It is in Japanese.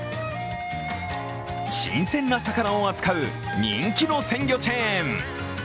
新鮮な魚を扱う人気の鮮魚チェーン。